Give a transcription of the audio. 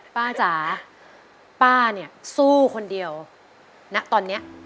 จ๋าป้าเนี่ยสู้คนเดียวณตอนนี้